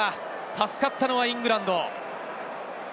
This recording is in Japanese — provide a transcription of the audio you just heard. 助かったのはイングランド。